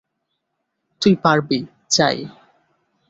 তুই পারবি, চাই।